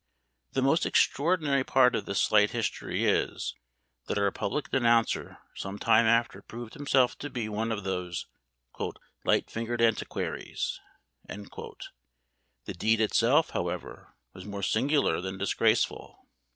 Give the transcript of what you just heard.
The most extraordinary part of this slight history is, that our public denouncer some time after proved himself to be one of these "light fingered antiquaries:" the deed itself, however, was more singular than disgraceful.